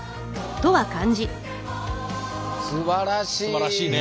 すばらしいね。